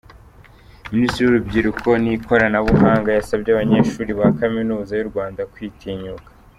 Minisitiri w’Urubyiruko nikorana buhanga yasabye abanyeshuri ba kaminuza yurwanda kwitinyuka